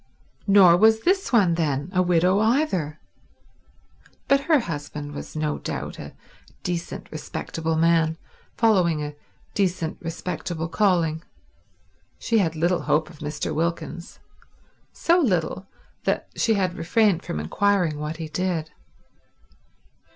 Nor was this one, then, a widow either; but her husband was no doubt a decent, respectable man, following a decent, respectable calling. She had little hope of Mr. Wilkins; so little, that she had refrained from inquiring what he did.